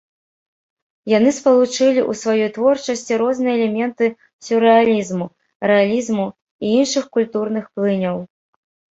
Яны спалучылі ў сваёй творчасці розныя элементы сюррэалізму, рэалізму і іншых культурных плыняў.